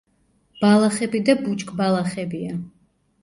ბალახები და ბუჩქბალახებია.